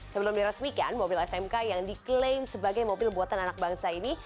sebelum diresmikan mobil smk yang diklaim sebagai mobil buatan anak bangsa ini